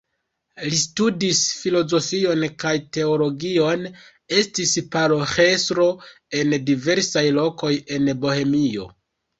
Li studis filozofion kaj teologion, estis paroĥestro en diversaj lokoj en Bohemio.